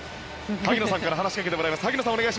萩野さんから話しかけてもらいます。